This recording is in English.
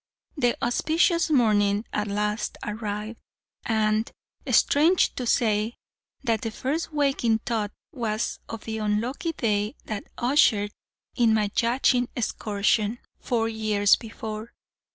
"The auspicious morning at last arrived; and, strange to say, that the first waking thought was of the unlucky day that ushered in my yachting excursion, four years before.